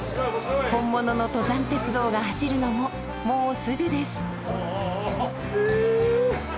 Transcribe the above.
本物の登山鉄道が走るのももうすぐです。